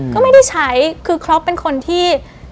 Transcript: ก็ไม่ได้ใช้คือครอปเป็นคนที่